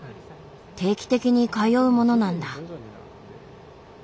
定期的に通うものなんだ。